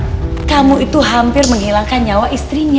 jalis kamu tuh hampir menghilangkan nyawa istrinya